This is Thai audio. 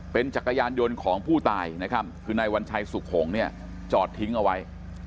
เป็นจักรยานยนต์ของผู้ตายนะครับคือนายวัญชัยสุขหงษ์เนี่ยจอดทิ้งเอาไว้